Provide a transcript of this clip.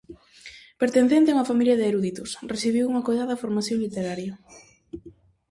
Pertencente a unha familia de eruditos, recibiu unha coidada formación literaria.